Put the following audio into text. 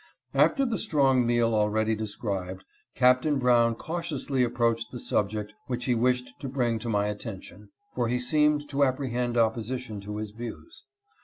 After the strong meal already described, Captain Brown cautiously approached the subject which he wished to bring to my attention; for, he seemed to apprehend oppo sition to his views.